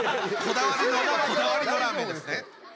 こだわりのラーメンですね。